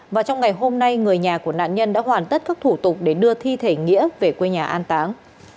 và trong ngày hôm nay người nhà của nạn nhân đã hoàn tất các thủ tục để đưa thi thể nghĩa về quê nhà an táng